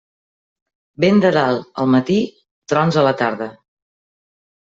Vent de dalt al matí, trons a la tarda.